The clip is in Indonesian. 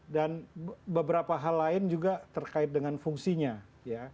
dan beberapa hal lain juga terkait dengan fungsinya ya